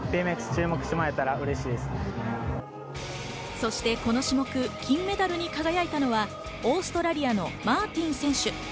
そしてこの種目、金メダルに輝いたのは、オーストラリアのマーティン選手。